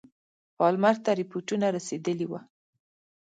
پالمر ته رپوټونه رسېدلي وه.